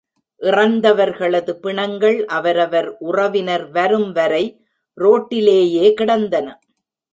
இறந்தவர்களது பிணங்கள் அவரவர் உறவினர் வரும் வரை ரோட்டிலேயே கிடந்தன.